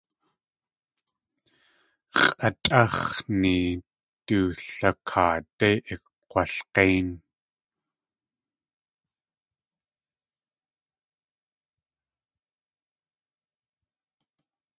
X̲ʼatʼáx̲ni du lakaadé ikk̲walg̲éin.